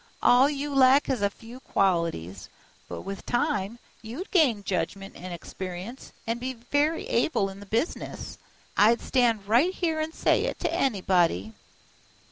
All you lack is a few qualities, but with time you'd gain judgment an' experience, an' be very able in the business. I'd stand right here an' say it to anybody."